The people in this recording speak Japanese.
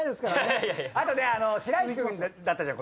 あとね白石君だったじゃん